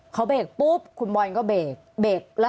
เขาเบรกปุ๊บคุณบอลก็เบรกเบรก